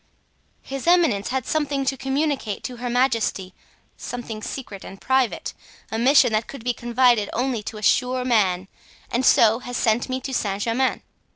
"His eminence had something to communicate to her majesty, something secret and private—a mission that could be confided only to a sure man—and so has sent me to Saint Germain.